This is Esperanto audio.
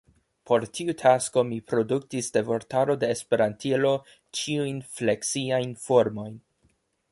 Por tiu tasko mi produktis de vortaro de Esperantilo ĉiujn fleksiajn formojn.